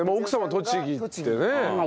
栃木ってね。